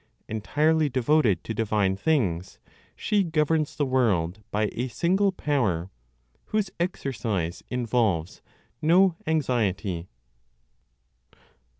Entirely devoted to divine things, she governs the world by a single power, whose exercise involves no anxiety.